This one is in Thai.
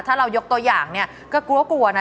ถ้าเรายกตัวอย่างเนี่ยก็กลัวกลัวนะ